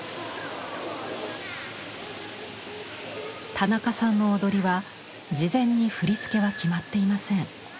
田中さんの踊りは事前に振り付けは決まっていません。